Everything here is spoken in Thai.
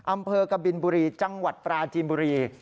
อำเภอกบินบุรีจังหวัดปราจีนบุรี